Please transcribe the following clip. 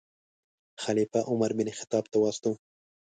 خلیفه عمر بن خطاب ته واستاوه.